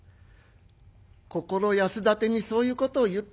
心安立てにそういうことを言ったんだよ。